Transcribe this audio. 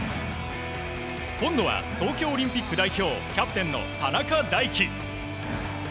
今度は東京オリンピック代表キャプテンの田中大貴。